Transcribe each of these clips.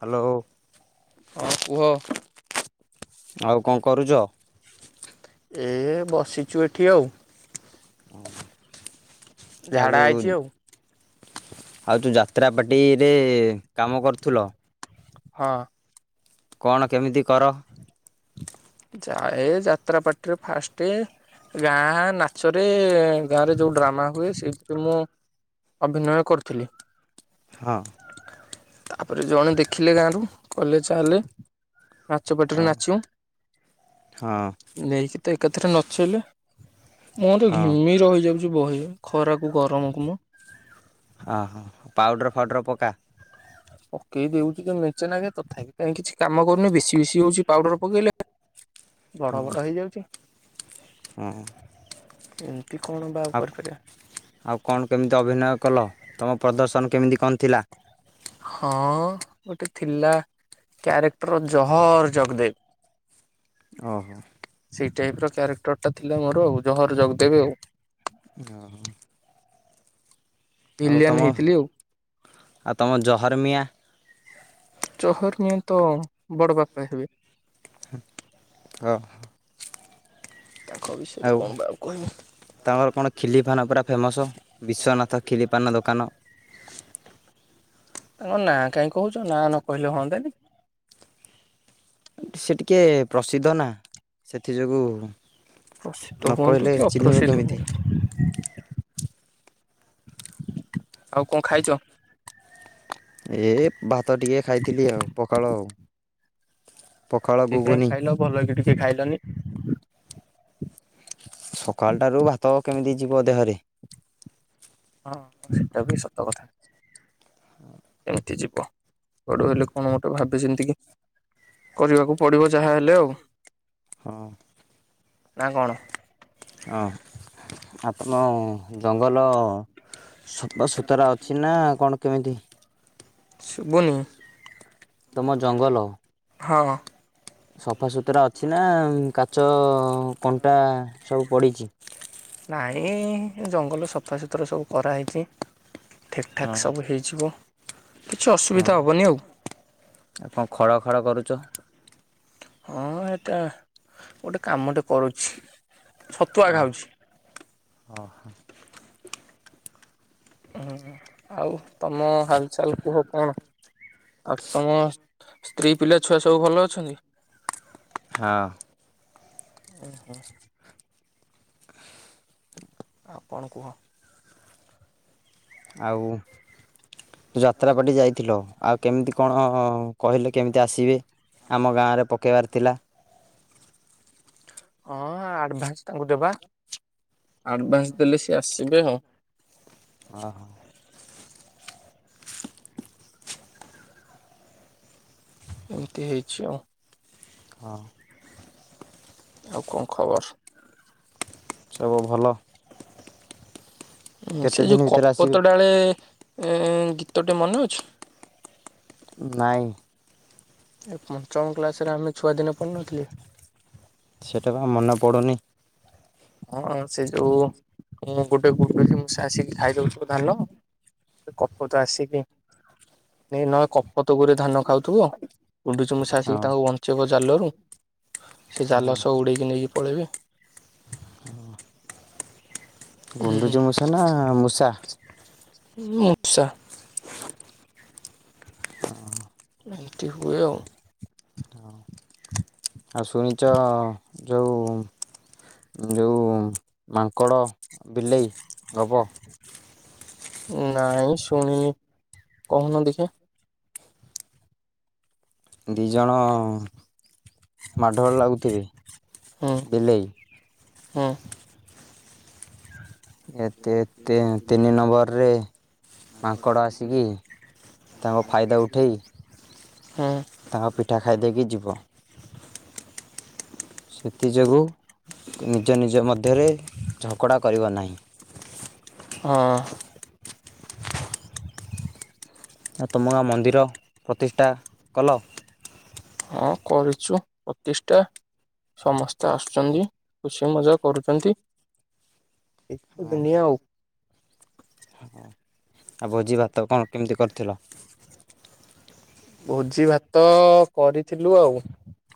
Hello. ହୁଁ କୁହ। ଆଉ କଅଁ କରୁଚ? ଏ ବସିଛୁ ଏଠି ଆଉ। ଆଉ ଝାଡ଼ା ଯୋଉ ହେଇଛି ଆଉ ଆଉ ଯୋଉ ଯାତ୍ରା ପାର୍ଟି ରେ କାମ କରୁଥିଲ? ହଁ। କଣ କେମିତି କର? ଯାଏ ଯାତ୍ରା ପାଟିରେ ଫାଷ୍ଟ ଗାଁ ନାଚରେ ଗାଁ ରେ ଯୋଉ ଡ୍ରାମା ହୁଏ ସେଇଥିରେ ମୁଁ ଅଭିନୟ କରୁଥିଲି। ହଁ। ତାପରେ ଜଣେ ଦେଖିଲେ ଗାଁରୁ କଲେ ଚାଲେ। ନାଚ ପାଟିରେ ହଁ ନାଚିବୁ ହଁ ନେଇକି। ତ ଏକାଥରେ ନଚେଇଲେ ମୋର ତ ହଁ ଘିମିର ହେଇଯାଉଛି ବହେ ଖରାକୁ ଗରମକୁ ମ ଆ ହା ପାଉଡ଼ର ଫାଉଡ଼ର ପକ୍କା। ପକେଇଦଉଛି ତ ମେଚେ ନା୍କେ ତଥାପି କାହିଁ କିଛି କାମ କରୁନି ବେଶି ବେଶି ହଉଛି ପାଉଡର ପକେଇଲେ। ବଡ଼ ବଡ଼ ହେଇଯାଉଚି। ହଁ ହଁ। ଏମିତି କଣ ବା ଆଉ କରିପାରିବା। ଆଉ କଣ କେମିତି ଅଭିନୟ କଲ ତୁମ ପ୍ରଦର୍ଶନ କେମିତି କଣ ଥିଲା? ହଁ ଗୋଟେ ଥିଲା। କ୍ୟାରେକ୍ଟର ଜହର ଜଗଦେବ। ହଁ ହଁ। ସେଇ ଟାଇପ ର କ୍ୟାରେକ୍ଟର ଟା ଥିଲା ମୋର ଆଉ ଜହର ଜଗ ଦେବେ ଆଉ। ହଁ ହଁ। ଆଉ ଭିଲିଆନ ତମ ହେଇଥିଲି ଆଉ ତମ ଜହରର୍ମିଆଁ। ଚହର ନିଏଁ ତ ବଡ଼ ବାପା ହେବେ। ହଁ। ତାଙ୍କ କଣ ବା ଆଉ କହିବୁ। ତମର କଣ ଖିଲିପାନ ପୁରା ଫେମସ ବିଶ୍ୱନାଥ ଖିଲିପାନ ଦୋକାନ। ତାଙ୍କ ନା କାହିଁ କହୁଛ ନା ନ କହିଲେ ହୁଅନ୍ତା ନି। ସେ ଟିକେ ପ୍ରସିଦ୍ଧ ନା ସେଥି ଯୋଗୁଁ ପ୍ରସିଦ୍ଧ ନ ହୁଅନ୍ତୁ କହିଲେ କି ଚିହ୍ନିବ ଅପ୍ରସିଦ୍ଧ କେମିତି। ହୁଅନ୍ତୁ ଆଉ କଅଁ ଖାଇଛ? ଏ ଭାତ ଟିକେ ଖାଇଥିଲି ଆଉ ପକାଳ। ଟିକେ କାଇଁ ଖାଇଲ ଭଲ କି ଟିକେ ଖାଇଲନି। ସକାଳ ଟାରୁ ଭାତ କେମିତି ଯିବ ଦେହରେ। ହଁ ସେଟା ବି ସତ କଥା। ଏମିତି ଯିବ ଗଡ ହେଲେ କଣ ଗୋଟେ ଭାବିଚିନ୍ତିକି। କରିବାକୁ ପଡିବ ଯାହା ହେଲେ ଆଉ। ହଁ। ନା କଣ? ହଁ ଆଉ ତମ ଜଙ୍ଗଲ ସଫାସୁୁତୁରା ଅଛି ନା କଣ କେମିତି? ଶୁଭୁନି ତମ ଜଙ୍ଗଲ? ହଁ। ସଫାସୁତୁରା ଅଛି ନା କାଚ କଣ୍ଟା ସବୁ ପଡ଼ିଚି? ନାଇଁ ଜଙ୍ଗଲ ସଫାସୁତୁରା ସବୁ କରାହେଇଛି। ହଁ ଠିକଠାକ୍ ସବୁ ହେଇଯିବ, କିଛି ହଁ ଅସୁବିଧା ହେବନି ଆଉ। ଆଉ କଣ ଖଡଖଡ କରୁଛ? ହୁଁ-ଉଁ-ଉଁ ଏଟା ଗୋଟେ କାମଟେ କରୁଛି ଛତୁଆ ଖାଉଛି। ଓହୋଃ। ହୁଁ ଆଉ ତମ ହାଲ୍ ଚାଲିଥିବ କଣ, ଆଉ ତମ ସ୍ତ୍ରୀ ପିଲାଛୁଆ ସବୁ ଭଲ ଅଛନ୍ତି? ହଁ। ଉଁ ହୁଁ। ଆଉ କଣ କୁହ? ଆଉ ଯାତ୍ରାପାଟି ଯାଇଥିଲ ଆଉ କେମିତି କଣ କହିଲେ କେମିତି ଆସିବେ? ଆମ ଗାଁଆରେ ପକେଇବାର ଥିଲା। ହଁ-ଅ-ଅ ଆଡଭାନ୍ସ ତାଙ୍କୁ ଦେବା, ଆଡଭାନ୍ସ ଦେଲେ ସିଏ ଆସିବେ ଆଉ। ଓହୋଃ। ଏମିତି ହେଇଛି ଆଉ। ହଁ। ଆଉ କଣ ଖବର? ସବୁ ଭଲ। ଉଁ କେତେ ସେ ଦିନ ଯୋଉ ଭିତରେ ଆସିବେ? କପତ ଡାଳେ ଗୀତଟେ ମନେ ଅଛି? ନାଇଁ। ଏ ପଞ୍ଚମ କ୍ଲାସରେ ଆମେ ଛୁଆଦିନେ ପଢ଼ି ନଥିଲେ। ସେଇଟା ପା ମନେ ପଡୁନି। ହଁ ସେ ଯୋଉ ଉଁ-ଉଁ ଗୋଟେ ଗୁଣ୍ଡୁଚି ମୂଷା ଆସିକି ଖାଇ ଦଉଥିବ ଧାନ। ଏ କପୋତ ଆସିକି ନି ନ କପୋତଗୁରେ ଧାନ ଖାଉଥିବ। ଗୁଣ୍ଡୁଚିମୂଷା ହଁ ଆସିକି ତାଙ୍କୁ ବଞ୍ଚେଇବ ଜାଲରେ ସେ ହଁ। ଜାଲ ସହ ଉଡ଼େଇକି ନେଇକି ପଳେଇବେ। ହୁଁ। ହୁଁ ଗୁଣ୍ଡୁଚିମୂଷା ନା ମୂଷା? ମୂଷା। ହଁ। ଏମିତି ହୁଏ ଆଉ। ହଁ। ଆଉ ଶୁଣିଚ ଯୋଉ ଯୋଉ ମାଙ୍କଡ଼ ବିଲେଇ ଗପ। ନାଇଁ ଶୁଣିନି, କହୁନ ଦେଖିଆ। ଦିଜଣ ମାଡ଼ଗୋଳ ଲାଗୁଥିବେ ହୁଁ ବିଲେଇ। ହୁଁ ଏତେ ଏତେ ତିନି ନମ୍ବର। ରେ ମାଙ୍କଡ଼ ଆସିକି, ତାଙ୍କ ଫାଇଦା ଉଠେଇ ହୁଁ ତାଙ୍କ ପିଠା ଖାଇଦେଇକି ଯିବ। ସେଥିଯୋଗୁ ନିଜ ନିଜ ମଧ୍ୟରେ ଝଗଡ଼ା କରିବ ନାହିଁ। ହଁ। ଆ ତମ ଗାଁ ମନ୍ଦିର ପ୍ରତିଷ୍ଠା? କଲ? ହଁ କରିଚୁ ପ୍ରତିଷ୍ଟା। ସମସ୍ତେ ଆସୁଛନ୍ତି ଖୁସି ମଜା କରୁଚନ୍ତି, ଏଇତ ଦୁନିଆ ଆଉ। ଆ ଭୋଜିଭାତ କଁ କେମିତି କରିଥିଲ? ଭୋଜିଭାତ କରିଥିଲୁ ଆଉ।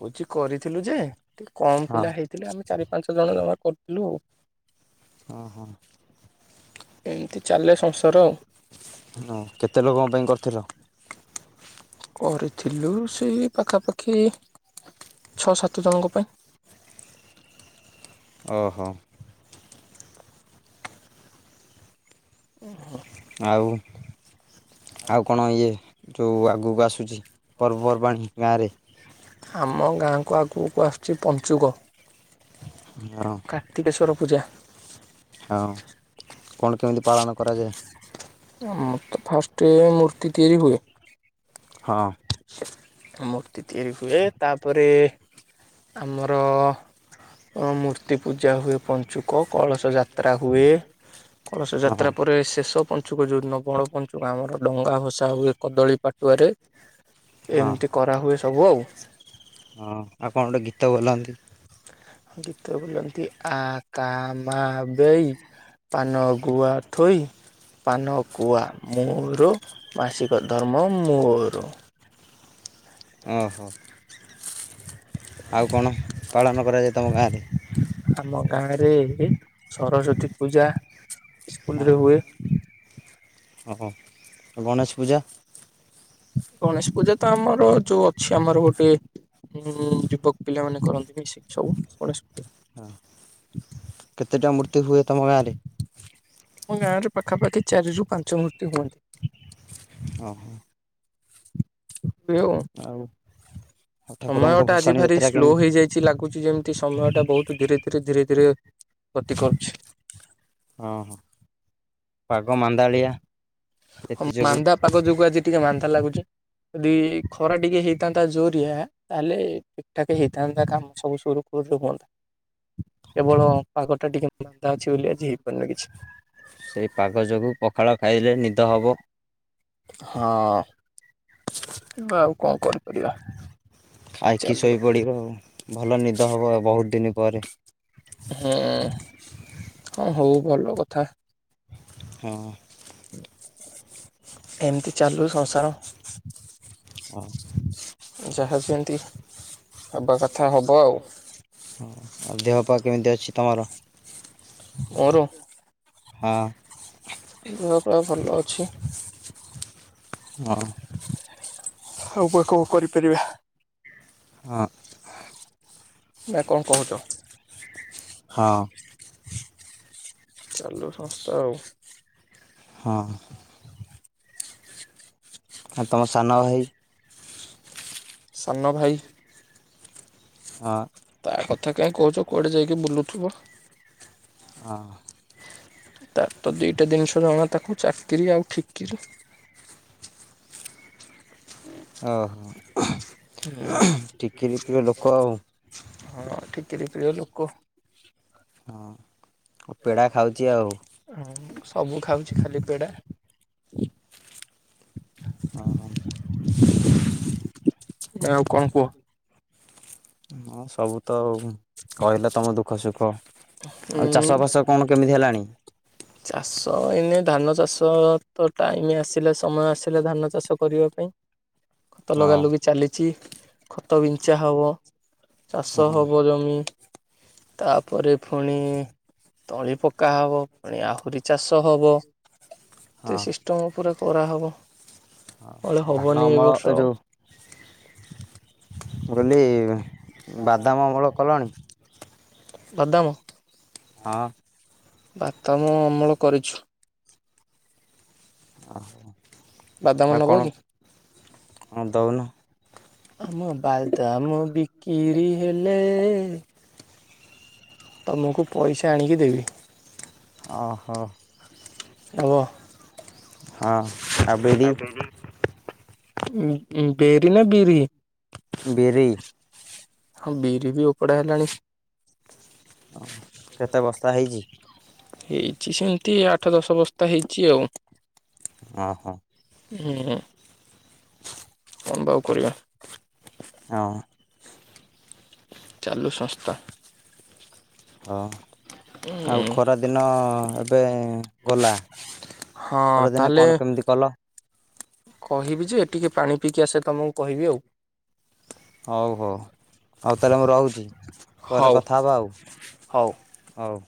ଭୋଜି କରିଥିଲୁ ଯେ ଟି କମ ହଁ। ପିଲା ହେଇଥିଲେ ଆମେ ଚାରି ପାଞ୍ଚ ଜଣ ଜମା କରିଥିଲୁ ଆଉ। ଓହୋ। ଏମିତି ଚାଲେ ସଂସାର ଆଉ। ହଁ କେତେ ଲୋକଙ୍କ ପାଇଁ କରିଥିଲ? କରିଥିଲୁ ସେ ପାଖାପାଖି ଛଅ ସାତ ଜଣଙ୍କ ପା। ଓହୋ। ଓହୋ। ଆଉ? ଆଉ କଣ ଇଏ ଯୋଉ ଆଗକୁ ଆସୁଚି ପର୍ବପର୍ବାଣି ଗାଁରେ? ଆମ ଗାଁକୁ ଆଗକୁ ଆସୁଚି ପଞ୍ଚୁକ। ହୁଁ। କାର୍ତ୍ତିକେଶ୍ୱର ପୂଜା। ହଁ, କଣ କେମିତି ପାଳନ କରାଯାଏ? ଆମରତ ଫାଷ୍ଟ୍ ମୂର୍ତ୍ତି ତିଆରି ହୁଏ। ହଁ। ମୂର୍ତ୍ତି ତିଆରି ହୁଏ ତାପରେ ଆମର ଅ ମୂର୍ତ୍ତି ପୂଜା ହୁଏ ପଞ୍ଚୁକ କଳସ ଯାତ୍ରା ହୁଏ। କଳସ ହଁ ହଁ ଯାତ୍ରା ପରେ ଶେଷ ପନ ଞ୍ଚୁକ ଯୋଉଦିନ ବଳ ପଞ୍ଚୁକ ଆମର ଡେଙ୍ଗା ଭସା ହୁଏ କଦଳୀ ପାଟୁଆରେ। ହଁ ଏମିତି କରାହୁଏ ସବୁ ଆଉ। ହଁ ଆଉ କଁ ଗୋଟେ ଗୀତ ବୋଲନ୍ତି? ଗୀତ ବୋଲନ୍ତି ଆ କା ମା ବେଇ ପାନ ଗୁଆ ଥୋଇ ପାନ କୁଆ ମୋର ମାସିକ ଧର୍ମ ମୋର। ଓହୋ ଆଉ କଣ ପାଳନ କରାଯାଏ ତମ ଗାଁ ରେ? ଆମ ଗାଁରେ ଏ ସରସ୍ଵତୀ ପୂଜା ଇସ୍କୁଲ୍ ରେ ହୁଏ। ଅଁ ହଁ ଆଉ ଗଣେଶ ପୂଜା? ଗଣେଶ ପୂଜା ତ ଆମର ଯୋଉ ଅଛି ଆମର ଗୋଟିଏ ହୁଁ ଯୁବକ୍ ପିଲାମାନେ କରନ୍ତି ମିଶିକି ସବୁ ଗଣେଶ ପୂଜା। ହଁ କେତେଟା ମୂର୍ତ୍ତି ହୁଏ ତମ ଗାଁରେ? ଆମ ଗାଁ ରେ ପାଖାପାଖି ଚାରି ରୁ ପାଞ୍ଚ ମୂର୍ତ୍ତି ହୁଅନ୍ତି। ଅ ହୋ। [unintelligible] ଆଉ? ଠାକୁରଙ୍କ ସମୟଟା ଆଜି ଭସାଣି ଭାରି ଯାତ୍ରା ସ୍ଲୋ କେମିତି ହେଇଯାଇ ଛି ଲାଗୁଚି ଯେମତି ସମୟଟା ବହୁତ୍ ଧୀରେ ଧୀରେ ଧୀରେ ଧୀରେ ଗତି କରୁଛି। ଅଁ ହଁ ପାଗ ମାନ୍ଦାଳିଆ। ହଁ ସେଥି ଯୋଗୁ ମାନ୍ଦା ପାଗ ଯୋଗୁ ଆଜି ଟିକେ ମାନ୍ଦା ଲାଗୁଚି। ଯଦି ଖରା ଟିକ ହେଇଥାନ୍ତା ଜୋରିଆ। ତାହେଲେ ଠିକ୍ ଠାକ୍ ହେଇଥାନ୍ତା କାମ ସବୁ ସୁରୁଖୁରୁ ରେ ହୁଅନ୍ତା। କେବଳ ପାଗ ଟା ଟିକେ ମାନ୍ଦା ଅଛି ବୋଲି ଆଜି ହେଇପାରୁନି କିଛି। ସେଇ ପାଗ ଯୋଗୁଁ ପଖାଳ ଖାଇଲେ ନିଦ ହବ। ହଁ ଏବେ ଆଉ କଁ କରି ଖାଇକି ଶୋଇ ପଡିବ ଆଉ ଭଲ ନିଦ ହବ ଆଉ ବୋହୁତ୍ ଦିନି ପରେ। ହୁଁ ହଁ ହଉ ଭଲ କଥା। ହୁଁ। ଏମତି ଚାଲୁ ସଂସାର। ହଁ ‌। ଯାହା ଯେମତି ହବା କଥା ହବ ଆଉ। ହଁ ଆଉ ଦେହ ପା କେମିତି ଅଛି ତମର? ମୋର। ହଁ। ଦେହ ପାଅ ଭଲ ଅଛି। ହଁ। ଆଉ ବା କଁ କରିପାରିବା ହଁ। ନା କଁ କହୁଛ। ହଁ। ଚାଲୁ ସଂସ୍ତା ଆଉ। ହଁ। ଆଉ ତମ ସାନଭାଇ। ସାନଭାଇ। ହଁ। ତା କଥା କାଇଁ କହୁଛ କୁଆଡେ ଯାଇକି ବୁଲୁଥିବ। ହଁ। ତାର ତ ଦିଟା ଜିନିଷ ଜଣା ତାକୁ ଚାକିରି ଆଉ ଠିକିରି। ଓ ହୋ। ହୁଁ ଆଉ। ହଁ ଠିକିରି ପ୍ରିୟ ଲୋକ। ହଁ ମୁଁ ପେଡା ଖାଉଚି ଆଉ। ହୁଁ ସବୁ ଖାଉଛି ଖାଲି ପେଡା। ଅଁ ହଁ। ଆଉ କଣ କୁହ। ହଁ ସବୁ ତ ଆଉଁ। କହିଲ ତମ ଦୁଃଖ ସୁଖ ଆଉ ଉଁ ଚାଷ ବାସ କଣ କେମିତି ହେଲାଣି। ଚାଷ ଏଇନେ ଧାନ ଚାଷ ତ ଟାଇମ୍ ଆସିଲା ସମୟ ଆସିଲା ଧାନ ଚାଷ କରିବା ପାଇଁ। ଖତ ଲଗା ହଁ ଲଗି ଚାଲିଛି ଖତ ବିଞ୍ଚା ହବ ଚାଷ ହଁ ହବ। ଜମି ତାପରେ ଫୁଣି ତଳି ପକା ହବ। ପୁଣି ଆହୁରି ଚାଷ ହବ ହଁ କେତେ ସିଷ୍ଟମ୍ ପୁରା କରା ହବ। ତଳି ହଁ ଧାନ ହବନି ଏଇ ଅମଳ ଏ ବର୍ଷ। ଯୋଉ ମୁଁ କହିଲି ବାଦାମ ଅମଳ କଲଣି। ବାଦାମ। ହଁ। ବାଦାମ ଅମଳ କରିଛୁ। ଓହୋ ବାଦାମ ଆଉ ନବ କଣ କି? ହଁ ଦଉନୁ? ଆମ ବାଲଦାମ ବିକିରି ହେଲେଏ ତମକୁ ପଇସା ଆଣିକି ଦେବି। ଓହୋ। ହବ। ହଁ ଆଉ ବିରି ବେରି ନା ବିରି? ବରିି। ହଁ ବିରି ବି ଉପଡା ହେଲାଣି। ହଁ କେତେ ବସ୍ତା ହେଇଛି? ହେଇଚି ସେମିତି ଆଠ ଦଶ ବସ୍ତା ହେଇଚି ଆଉ। ଓହ। ହଁ ହଁ କଣଭାଉ କରିବା। ହଁ। ଚାଲୁ ସଂସ୍ଥା। ହଁ ଆଉ ହୁଁ। ଖରା ଦିନ ଏବେ ଗଲା। ହଁ ପରଦିନେ ତାହେଲେ କଣ କେମିତି କଲ? କହିବି ଯେ ଟିକେ ପାଣି ପିଇକି ଆସେ ତମକୁ କହିବି ଆଉ। ହଉ ତାହେଲେ ମୁଁ ରହୁଛି ପରେ ହଉ କଥା ହେବା। ହଉ। ହଉ।